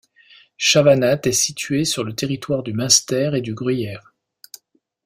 Chavanatte est située sur le territoire du munster et du gruyère.